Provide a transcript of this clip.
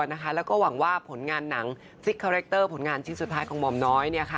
แล้วก็หวังว่าผลงานหนังซิกคาแรคเตอร์ผลงานชิ้นสุดท้ายของหม่อมน้อย